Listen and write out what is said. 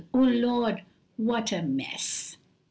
"oh Lord what a mess!